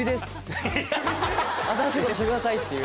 新しいことしてくださいっていう。